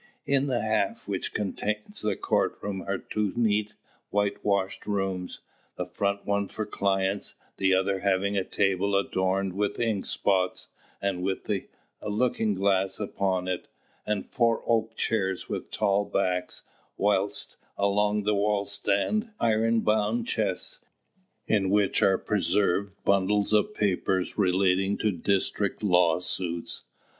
In the half which contains the court room are two neat, whitewashed rooms, the front one for clients, the other having a table adorned with ink spots, and with a looking glass upon it, and four oak chairs with tall backs; whilst along the wall stand iron bound chests, in which are preserved bundles of papers relating to district law suits.